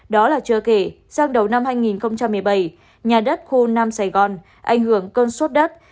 đó là chưa kể sang đầu năm hai nghìn một mươi bảy nhà đất khu nam sài gòn ảnh hưởng cơn sốt đất